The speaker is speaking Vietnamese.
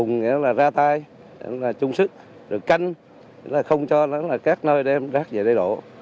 nó ra tay nó là trung sức rồi canh nó là không cho nó là các nơi đem rác về đây đổ